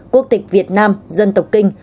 quốc tịch việt nam dân tộc kinh